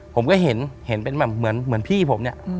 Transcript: ผมก็เห็นเห็นเป็นแบบเหมือนพี่ผมเนี่ย